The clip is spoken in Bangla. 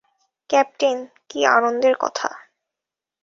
ক্যাপ্টেন, কী আনন্দের কথা!